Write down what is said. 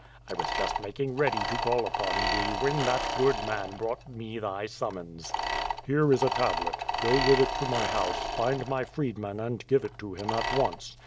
"1 was just making ready to call upon thee when that good man brought me thy summons." "Here is a tablet. Go with it to my house, find my freed man and give it to him at once.